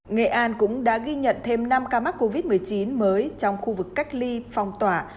nghệ an cũng đã ghi nhận thêm năm ca mắc covid một mươi chín mới trong khu vực cách ly phong tỏa